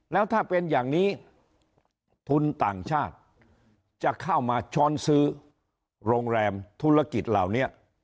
แล้วถ้าเป็นอย่างนี้ทุนต่างชาติจะเข้ามาช้อนซื้อโรงแรมธุรกิจเหล่านี้